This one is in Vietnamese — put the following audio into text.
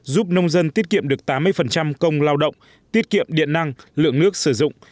giúp nông dân tiết kiệm được tám mươi công lao động tiết kiệm điện năng lượng nước sử dụng